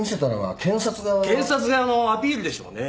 検察側のアピールでしょうね。